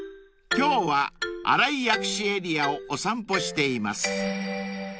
［今日は新井薬師エリアをお散歩しています］